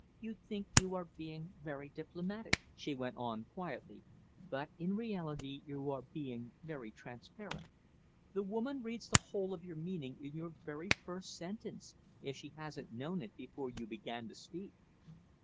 "You think you are being very diplomatic," she went on, quietly, "but in reality you are being very transparent. The woman reads the whole of your meaning in your very first sentence if she hasn't known it before you began to speak."